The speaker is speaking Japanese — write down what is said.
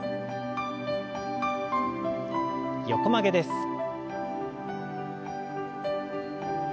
横曲げです。